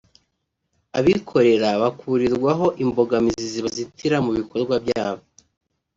abikorera bakurirwaho imbogamizi zibazitira mu bikorwa byabo